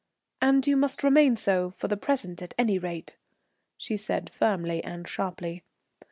"And you must remain so, for the present at any rate," she said firmly and sharply.